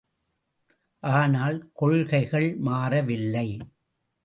ஆனால், கொள்கைகள் மாறவில்லை.